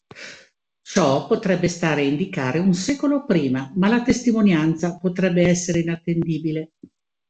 Ciò potrebbe stare a indicare un secolo prima, ma la testimonianza potrebbe essere inattendibile.